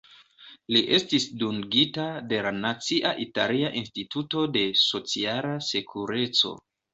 Li estis dungita de la Nacia Italia Instituto de Sociala Sekureco.